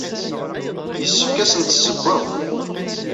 Yessefk ad asen-tesseww akk.